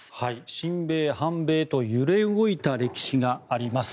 親米、反米と揺れ動いた歴史があります。